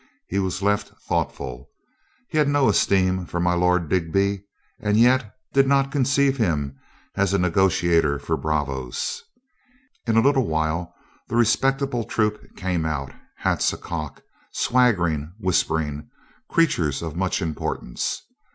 He was left thoughtful. He had no esteem for my Lord Digby, and yet did not conceive him as a negotiator for bravos. In a little while the respectable troop came out, hats acock, swaggering, whispering, creatures of much importance.